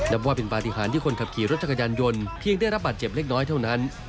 นับว่าเป็นปฏิหารที่คนขับขี่รถจักรยานยนต์เพียงได้รับบาดเจ็บเล็กน้อยเท่านั้น